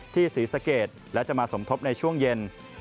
ศรีสะเกดและจะมาสมทบในช่วงเย็น